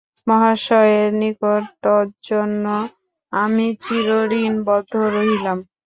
মহাশয়ের নিকট তজ্জন্য আমি চিরঋণবদ্ধ রহিলাম।